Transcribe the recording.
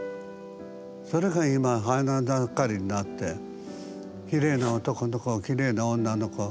それが今花ざかりになってきれいな男の子きれいな女の子